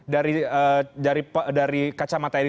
dari kacamata editorial dari kita untuk polemikasi ini